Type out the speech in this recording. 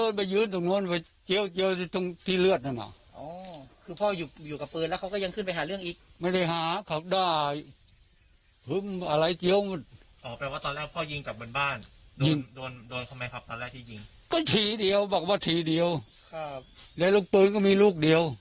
หลูกชายเดียวบอกว่าทีเดียวและลูกปืนก็มีลูกเดียว